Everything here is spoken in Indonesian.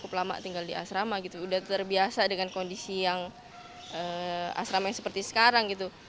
cukup lama tinggal di asrama gitu udah terbiasa dengan kondisi yang asrama yang seperti sekarang gitu